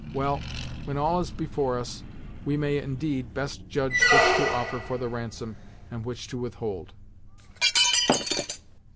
Well, when all is before us we may, indeed, best judge which to offer for the ransom, and which to withhold."